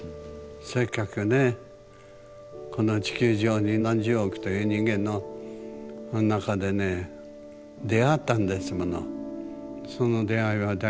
せっかくねこの地球上に何十億という人間の中でね出会ったんですもの。